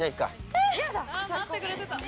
えっ。